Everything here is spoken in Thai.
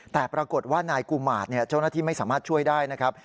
แต่ปรากฏว่านายกุมาตรเจ้าหน้าที่ไม่สามารถช่วยได้นะครับ